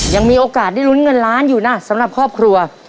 ยังมีโอกาสได้ลุ้นเงินล้านอยู่นะสำหรับครอบครัว